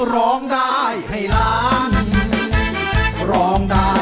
ร้องได้ให้ร้าน